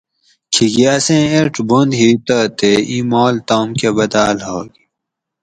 کھیکی اسیں ایڄ بند ہی تہ تے ایں مال تام کہ بدال ہوگ